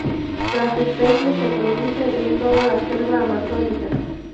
Las especies se producen en toda la selva amazónica.